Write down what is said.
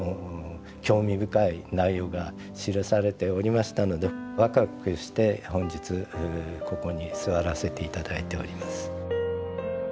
興味深い内容が記されておりましたのでわくわくして本日ここに座らせていただいております。